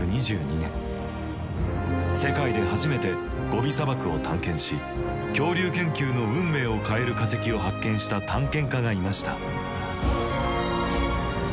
世界で初めてゴビ砂漠を探検し恐竜研究の運命を変える化石を発見した探検家がいました。